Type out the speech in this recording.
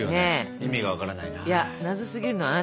意味が分からないな。